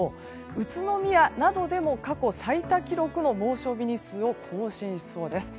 宇都宮などでも過去最多記録の猛暑日日数を更新しそうです。